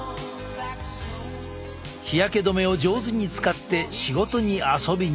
日焼け止めを上手に使って仕事に遊びに！